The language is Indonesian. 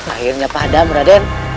akhirnya pada braden